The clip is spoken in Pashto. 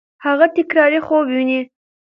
هغه تکراري خوب ویني.